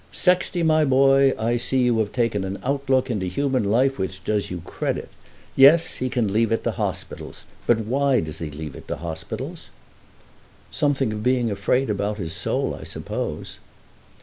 "Sexty, my boy, I see you have taken an outlook into human life which does you credit. Yes, he can leave it to hospitals. But why does he leave it to hospitals?" "Something of being afraid about his soul, I suppose."